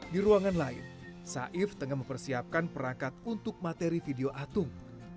di ruangan lain saif tengah mempersiapkan perangkat untuk materi video atung